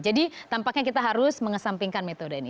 jadi tampaknya kita harus mengesampingkan metode ini